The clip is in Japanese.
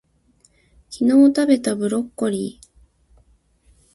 昨日たべたブロッコリー